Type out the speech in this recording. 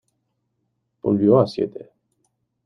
Volvió a St.